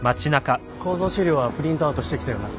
構造資料はプリントアウトしてきたよな？